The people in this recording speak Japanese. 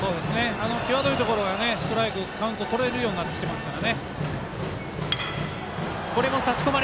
際どいところがストライクカウント取れるようになってきてますから。